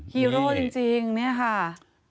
ฮีโร่จริงเนี่ยค่ะ